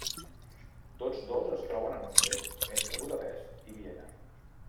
Tots dos es troben en un tren, entre Budapest i Viena.